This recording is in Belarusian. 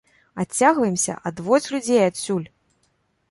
Адцягваемся, адводзь людзей адсюль!